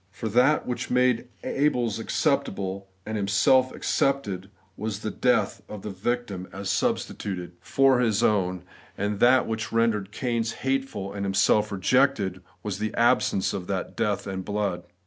For that which made Abel's acceptable, and himself accepted, was the death of the victim as substituted God^s Recognition of SubstUution. 17 for his own ; and that which rendered Cain's hate ful, and himself rejected, was the absence of that death and blood.